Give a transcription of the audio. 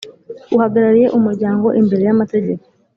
Uhagarariye Umuryango imbere y amategeko